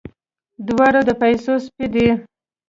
دواړه د پيسو سپي دي.